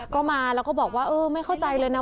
ก็มาแล้วก็บอกว่าเออไม่เข้าใจเลยนะ